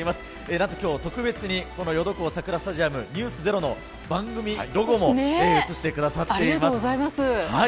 何と今日は特別にヨドコウ桜スタジアム「ｎｅｗｓｚｅｒｏ」の番組ロゴも映してくださっています。